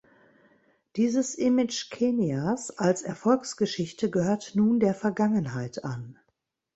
Dieses Image Kenias als Erfolgsgeschichte gehört nun der Vergangenheit an.